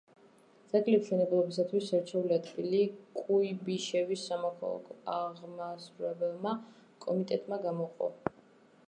ძეგლის მშენებლობისათვის შერჩეული ადგილი კუიბიშევის საქალაქო აღმასრულებელმა კომიტეტმა გამოყო.